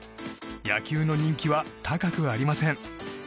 野球の人気は高くありません。